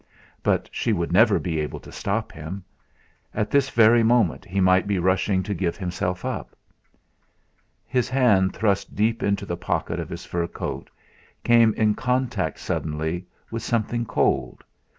But she would never be able to stop him. At this very moment he might be rushing to give himself up! His hand, thrust deep into the pocket of his fur coat, came in contact suddenly with something cold.